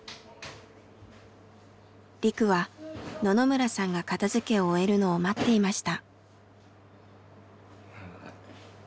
リクは野々村さんが片づけを終えるのを待っていました。